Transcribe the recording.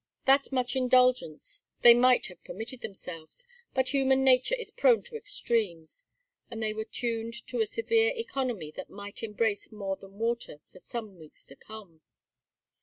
That much indulgence they might have permitted themselves, but human nature is prone to extremes, and they were tuned to a severe economy that might embrace more than water for some weeks to come.